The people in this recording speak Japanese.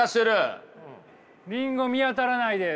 リンゴ見当たらないです。